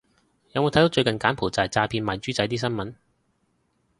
有冇睇到最近柬埔寨詐騙賣豬仔啲新聞